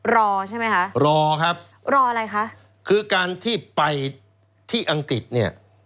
รอใช่ไหมคะรอครับรออะไรคะคือการที่ไปที่อังกฤษเนี่ย